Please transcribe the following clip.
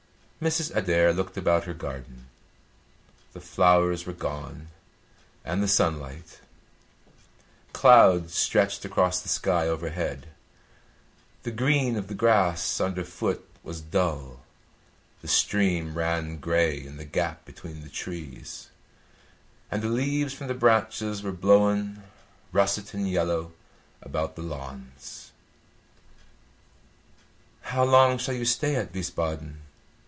Mrs. Adair looked about her garden. The flowers were gone, and the sunlight; clouds stretched across the sky overhead, the green of the grass underfoot was dull, the stream ran grey in the gap between the trees, and the leaves from the branches were blown russet and yellow about the lawns. "How long shall you stay at Wiesbaden?"